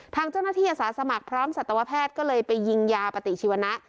ทางเจ้าหน้าที่อาสาสมัครพร้อมสัตวแพทย์ก็เลยไปยิงยาปฏิชีวนะ